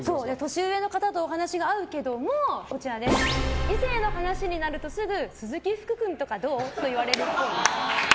年上の方とお話が合うけども異性の話になると、すぐ鈴木福君とかどう？と言われるっぽい。